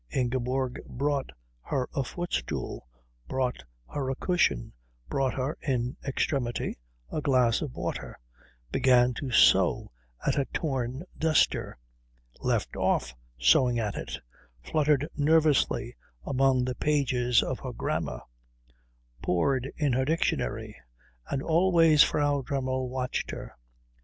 Ingeborg brought her a footstool; brought her a cushion; brought her, in extremity, a glass of water; began to sew at a torn duster; left off sewing at it; fluttered nervously among the pages of her grammar; pored in her dictionary; and always Frau Dremmel watched her.